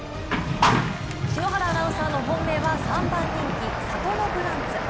篠原アナウンサーの本命は３番人気サトノグランツ。